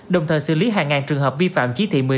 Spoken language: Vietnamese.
đồng thời xử lý hàng ngàn trường hợp vi phạm chí thị một mươi sáu